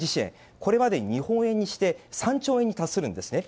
これまでに日本円にして３兆円に達するんですね。